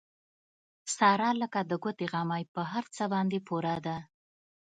ساره لکه د ګوتې غمی په هر څه باندې پوره ده.